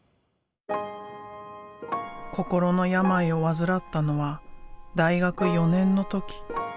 心の病を患ったのは大学４年の時。